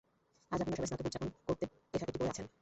আজ আপনারা সবাই স্নাতক হওয়া উদযাপন করতে এটি পরে আছেন।